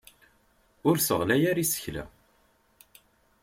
Ur isseɣlay ara isekla.